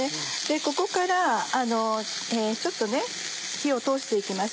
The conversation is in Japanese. ここからちょっと火を通して行きます。